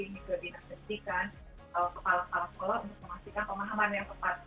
ini sudah dinasihati kan kepala kepala sekolah untuk memastikan pemahaman yang tepat